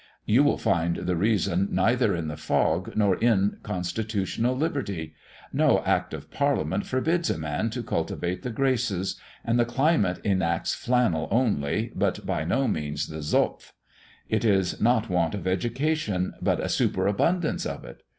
"You will find the reason neither in the fog, nor in constitutional liberty. No Act of Parliament forbids a man to cultivate the graces; and the climate enacts flannel only, but by no means the 'Zopf.' It is not a want of education, but a superabundance of it.